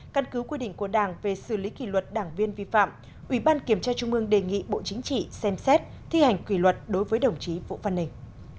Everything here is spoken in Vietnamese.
căn cứ quy định của đảng về xử lý kỷ luật đảng viên vi phạm ủy ban kiểm tra trung ương đề nghị bộ chính trị xem xét thi hành kỷ luật đối với đồng chí vũ văn ninh